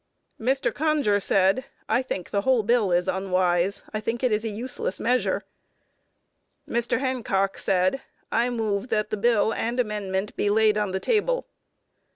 Mr. Conger said: "I think the whole bill is unwise. I think it is a useless measure." Mr. Hancock said: "I move that the bill and amendment be laid on the table."